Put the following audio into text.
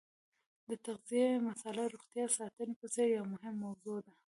د تغذیې مساله د روغتیا ساتنې په څېر یوه مهمه موضوع ده.